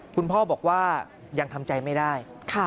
คุณพ่อบอกว่ายังทำใจไม่ได้